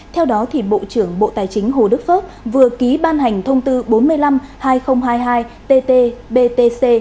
theo đó bộ trưởng bộ tài chính hồ đức phước vừa ký ban hành thông tư bốn mươi năm hai nghìn hai mươi hai tt btc